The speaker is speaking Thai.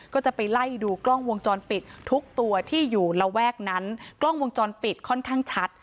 ก็จะไปไล่ดูกล้องวงจรปิดทุกตัวที่อยู่ระแวกนั้นกล้องวงจรปิดค่อนข้างชัด